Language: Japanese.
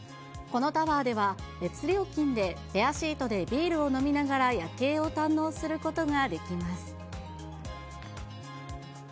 このタワーでは、別料金でペアシートでビールを飲みながら夜景を堪能することができます。